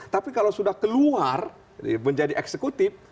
tapi kalau sudah keluar menjadi eksekutif